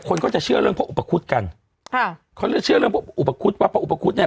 คนก็จะเชื่อเรื่องพระอุปคุฎกันค่ะเขาจะเชื่อเรื่องพวกอุปคุฎว่าพระอุปคุฎเนี้ย